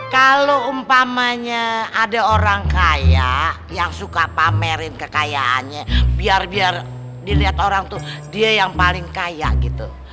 kalau umpamanya ada orang kaya yang suka pamerin kekayaannya biar biar dilihat orang tuh dia yang paling kaya gitu